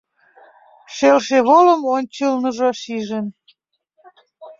Шелше волым ончылныжо шижын.